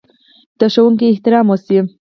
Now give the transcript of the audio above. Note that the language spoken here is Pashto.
د ښوونکي احترام وشي.